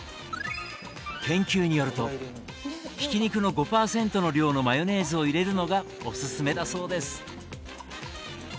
研究によるとひき肉の５％の量のマヨネーズを入れるのがおすすめだそうです。